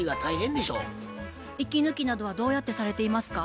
息抜きなどはどうやってされていますか？